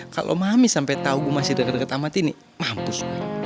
kalau mami sampai tahu gue masih deket deket sama tini mampus